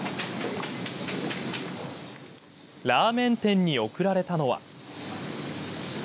ラーメン店に送られたのは。